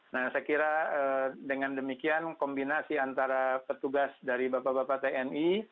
nah saya kira dengan demikian kombinasi antara petugas dari bapak bapak tni